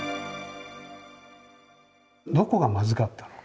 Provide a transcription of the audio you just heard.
どこがまずかったのか？